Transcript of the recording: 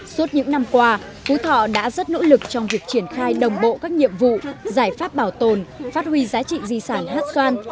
suốt những năm qua phú thọ đã rất nỗ lực trong việc triển khai đồng bộ các nhiệm vụ giải pháp bảo tồn phát huy giá trị di sản hát xoan